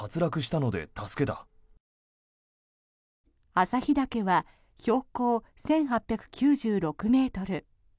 朝日岳は標高１８９６ｍ。